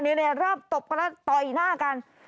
เริ่มร่าบตบกันแล้วต่ออีกหน้ากัน